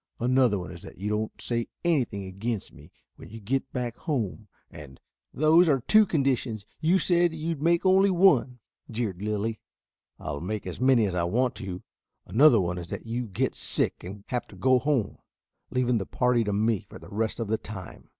Another one is that you don't say anything against me when you get back home, and " "Those are two conditions. You said you would make only one," jeered Lilly. "I'll make as many as I want to. Another one is that you get sick and have to go home, leaving the party to me for the rest of the time."